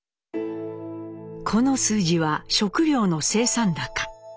この数字は食糧の生産高。